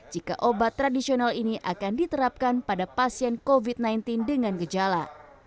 jika obat tradisional ini akan diterapkan pada pasien covid sembilan belas dengan gejala